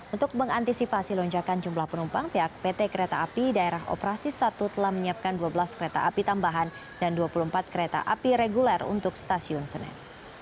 untuk mengantisipasi lonjakan jumlah penumpang pihak pt kereta api daerah operasi satu telah menyiapkan dua belas kereta api tambahan dan dua puluh empat kereta api reguler untuk stasiun senen